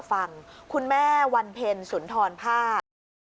สวัสดีครับสวัสดีครับ